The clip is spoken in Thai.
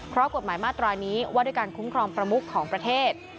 เพราะกฎหมายมาตรานี้ว่าด้วยการคุ้มครองประมุขของประเทศ